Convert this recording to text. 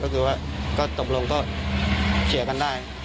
ก็คือว่าก็ตกลงก็เคลียร์กันได้